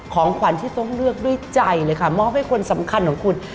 ของขวัญที่ต้องเลือกด้วยใจเลยค่ะมอบให้คนสำคัญของคุณ